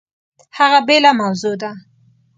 هغه بېله موضوع ده!